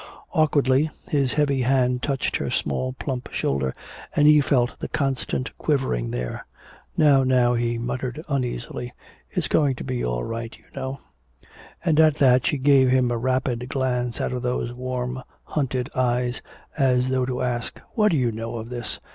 Awkwardly his heavy hand touched her small plump shoulder, and he felt the constant quivering there. "Now, now," he muttered, uneasily, "it's going to be all right, you know " And at that she gave him a rapid glance out of those warm hunted eyes, as though to ask, "What do you know of this?"